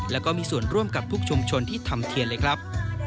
แล้วก็มีส่วนร่วมกับทุกชุมชนที่ทำเทียนเลยครับ